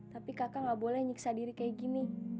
tapi kakak gak boleh nyiksa diri kayak gini